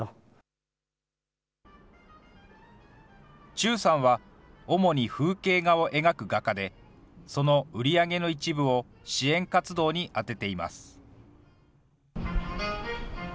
忠さんは主に風景画を描く画家で、その売り上げの一部を支援活動に充てています。